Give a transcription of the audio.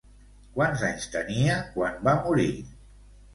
Quants anys tenia quan va morir?